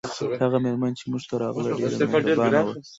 هغه میرمن چې موږ ته راغله ډیره مهربانه وه